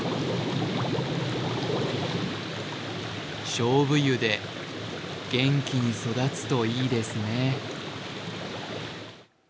菖蒲湯で元気に育つといいですね。